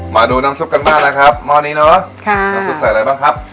มาดูน้ำซุปกันบ้างนะครับหม้อนี้เนอะค่ะน้ำซุปใส่อะไรบ้างครับ